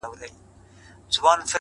د سترگو کسي چي دي سره په دې لوگيو نه سي،